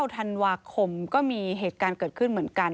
ธันวาคมก็มีเหตุการณ์เกิดขึ้นเหมือนกัน